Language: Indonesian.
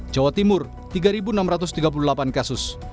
jawa timur tiga enam ratus tiga puluh delapan kasus